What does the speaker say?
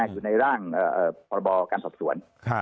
อยู่ในร่างพรบการสอบสวน